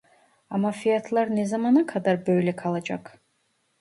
Ama fiyatlar ne zamana kadar böyle kalacak ?